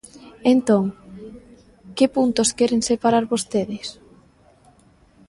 Entón, ¿que puntos queren separar vostedes?